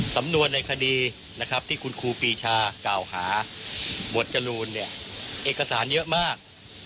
สำนวนในคดีที่คุณครูปีชาเก่าหาหมวดจรูลเอกสารเยอะมาก